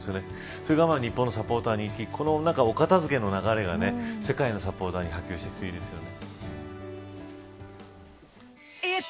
そこから日本のサポーターにいきこのお片付けの流れが世界のサポーターに波及していくといいですよね。